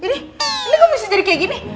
ini kok masih jadi kayak gini